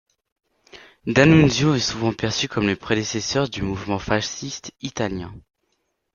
D'Annunzio est souvent perçu comme le prédécesseur du mouvement fasciste italien.